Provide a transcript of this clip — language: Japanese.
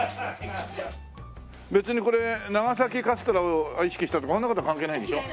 別にこれ長崎カステラを意識したとかそんな事関係ないんでしょ？